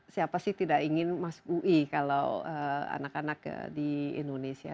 siapa sih tidak ingin mas ui kalau anak anak di indonesia